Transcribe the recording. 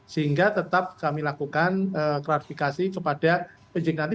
sehingga tetap kami lakukan klarifikasi kepada penjik nanti